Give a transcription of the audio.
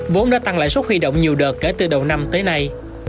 vốn đã tăng lãi suất huy động nhiều đợt kể từ đầu năm tới nay